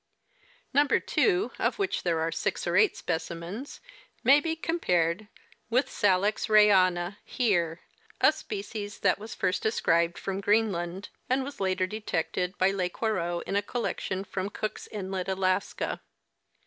" Number 2, of which there are six or eight specimens, may be com pared with Salix raeana, Heer,t a species that was first described from Greenland and was later detected by Lesquereux in a collection from Cooks inlet, Alaska.